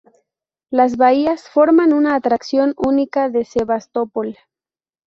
Las bahías forman una atracción única de Sebastopol.